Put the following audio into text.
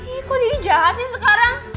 ih kok didi jahat sih sekarang